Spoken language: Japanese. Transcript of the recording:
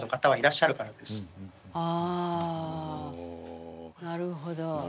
あなるほど。